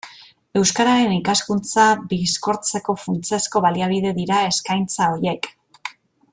Euskararen ikaskuntza bizkortzeko funtsezko baliabide dira eskaintza horiek.